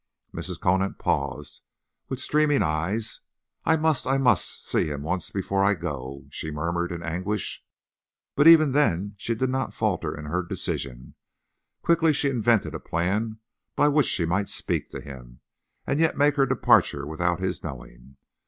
Mrs. Conant paused, with streaming eyes. "I must, I must see him once before I go," she murmured in anguish. But even then she did not falter in her decision. Quickly she invented a plan by which she might speak to him, and yet make her departure without his knowing.